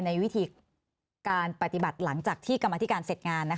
ในวิธีการปฏิบัติหลังจากที่กรรมธิการเสร็จงาน